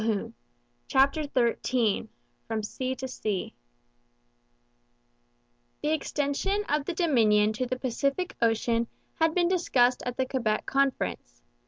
CHAPTER XIII FROM SEA TO SEA The extension of the Dominion to the Pacific ocean had been discussed at the Quebec Conference.